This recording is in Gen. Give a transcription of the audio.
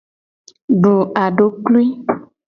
Du aduklui.